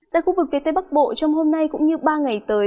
tại khu vực phía tây bắc bộ trong hôm nay cũng như ba ngày tới